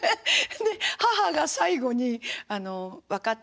で母が最後に「分かった。